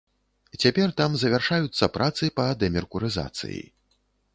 Цяпер там завяршаюцца працы па дэмеркурызацыі.